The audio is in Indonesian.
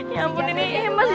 ya ampun ini masih